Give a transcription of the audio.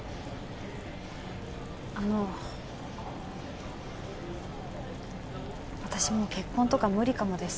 あの私もう結婚とか無理かもです